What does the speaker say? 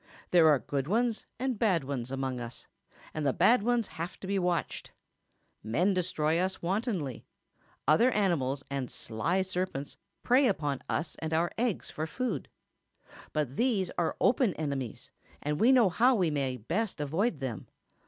"There are good ones and bad ones among us, and the bad ones have to be watched. Men destroy us wantonly; other animals and the sly serpents prey upon us and our eggs for food; but these are open enemies, and we know how we may best avoid them.